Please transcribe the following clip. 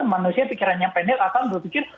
manusia pikirannya pendek akan berpikir